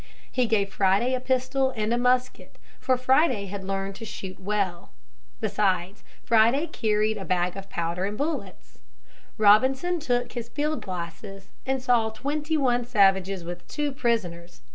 He gave Friday a pistol and a musket, for Friday had learned to shoot well. Besides Friday carried a bag of powder and bullets. Robinson took his field glasses and saw twenty one savages with two prisoners.